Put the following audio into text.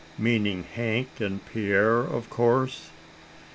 "Meaning Hank and Pierre, of course?"